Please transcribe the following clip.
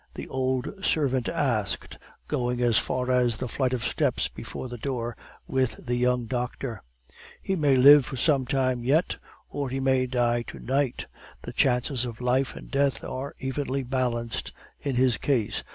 the old servant asked, going as far as the flight of steps before the door, with the young doctor. "He may live for some time yet, or he may die to night. The chances of life and death are evenly balanced in his case.